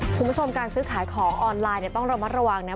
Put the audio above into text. คุณผู้ชมการซื้อขายของออนไลน์ต้องระมัดระวังนะ